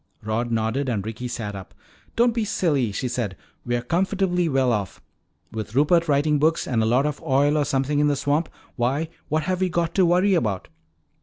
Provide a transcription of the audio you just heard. Rod nodded and Ricky sat up. "Don't be silly," she said, "we're comfortably well off. With Rupert writing books, and a lot of oil or something in the swamp, why, what have we got to worry about?